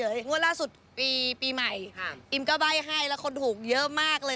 งวดล่าสุดปีปีใหม่อิมก็ใบ้ให้แล้วคนถูกเยอะมากเลย